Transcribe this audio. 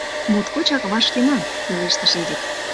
— Моткочак вашкена! — пелештыш Эдик.